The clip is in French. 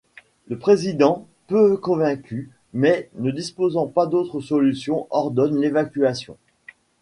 Le Président, peu convaincu mais ne disposant pas d'autre solution ordonne l'évacuation.